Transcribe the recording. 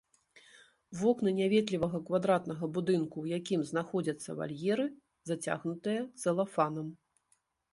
Вокны няветлівага квадратнага будынку, у якім знаходзяцца вальеры, зацягнутыя цэлафанам.